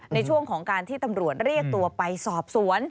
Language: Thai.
ในช่วงของการที่ตำรวจเรียกตัวไปสอบสวน